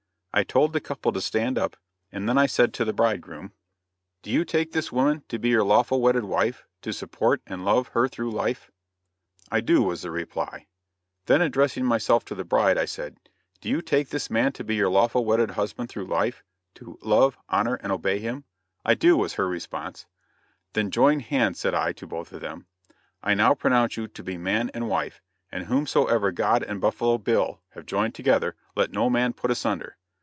I told the couple to stand up, and then I said to the bridegroom: "Do you take this woman to be your lawful wedded wife, to support and love her through life?" "I do," was the reply. Then addressing myself to the bride, I said, "Do you take this man to be your lawful wedded husband through life, to love, honor and obey him?" [Illustration: A WEDDING CEREMONY.] "I do," was her response. "Then join hands," said I to both of them; "I now pronounce you to be man and wife, and whomsoever God and Buffalo Bill have joined together let no man put asunder.